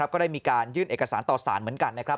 ก็ได้มีการยื่นเอกสารต่อสารเหมือนกันนะครับ